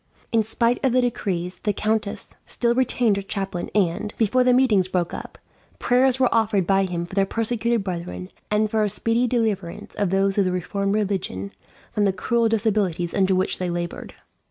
In spite of the decrees, the countess still retained her chaplain and, before the meetings broke up, prayers were offered by him for their persecuted brethren, and for a speedy deliverance of those of the reformed religion from the cruel disabilities under which they laboured.